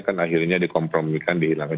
kan akhirnya dikompromikan dihilangkan